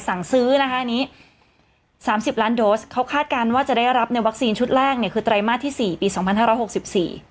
สั่งซื้อนะคะอันนี้สามสิบล้านโดสเขาคาดการณ์ว่าจะได้รับในวัคซีนชุดแรกเนี่ยคือไตรมาสที่สี่ปีสองพันห้าร้อยหกสิบสี่